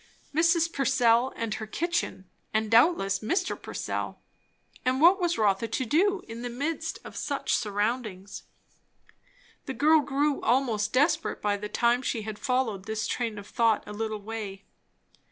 Mrs. Purcell and her kitchen; and doubtless, Mr. Purcell. And what was Rotha to do, in the midst of such surroundings? The girl grew almost desperate by the time she had followed this train of thought a little way.